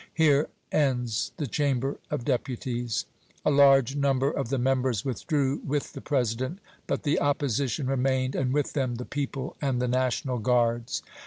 Here ends the Chamber of Deputies. A large number of the members withdrew with the President, but the opposition remained, and with them the people and the National Guards.